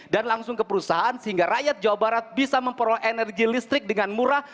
dan langsung ke perusahaan sehingga rakyat jawa barat bisa memperoleh energi listrik dengan murah